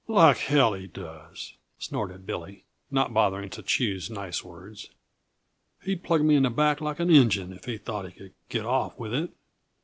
Like hell he does!" snorted Billy, not bothering to choose nice words. "He'd plug me in the back like an Injun if he thought he could get off with it.